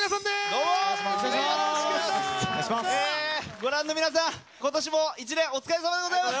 ご覧の皆さん今年も１年お疲れさまでございます。